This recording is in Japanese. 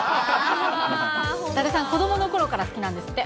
伊達さん、子どものころから好きなんですって。